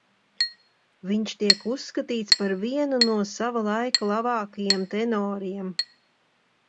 Viņš tiek uzskatīts par vienu no sava laika labākajiem tenoriem.